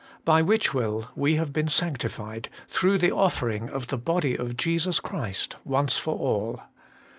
By which will we have been sanctified, through the offering of the body of Jesus Christ once for all.'